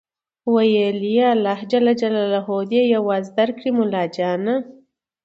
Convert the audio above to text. ویل خدای دي عوض درکړي ملاجانه